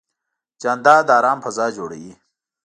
جانداد د ارام فضا جوړوي.